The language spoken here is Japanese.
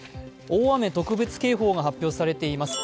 大雨特別警報が発表されています。